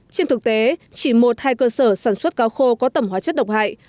trên thực tế chỉ một hai cơ sở sản xuất cá khô có tẩm hóa chất độc hại